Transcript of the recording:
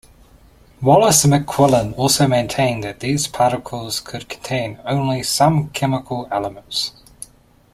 Wallace and McQuillan also maintained that these particles could contain only some chemical elements.